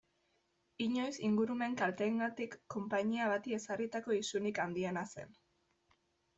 Inoiz ingurumen kalteengatik konpainia bati ezarritako isunik handiena zen.